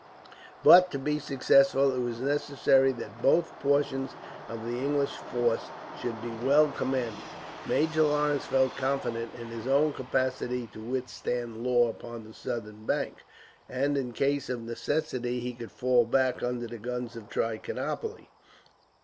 But to be successful, it was necessary that both portions of the English force should be well commanded. Major Lawrence felt confident in his own capacity to withstand Law upon the southern bank, and in case of necessity he could fall back under the guns of Trichinopoli.